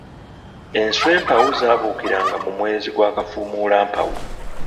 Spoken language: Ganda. Enswa empawu zaabuukiranga mu mwezi gwa Kafumuulampawu.